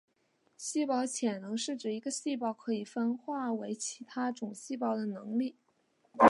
细胞潜能是指一个细胞可以分化为其他种细胞的能力。